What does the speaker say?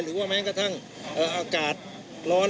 หรือว่าแม้กระทั่งอากาศร้อน